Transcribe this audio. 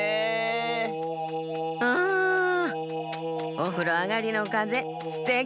おふろあがりのかぜすてき！